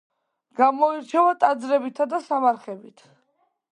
გამოირჩევა ტაძრებითა და სამარხებით.